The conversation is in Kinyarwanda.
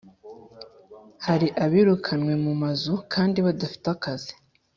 hari abirukanwe mu mazu kandi badafite akazi